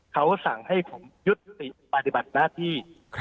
เขาสั่งให้ผมยุติปฏิบัติหน้าที่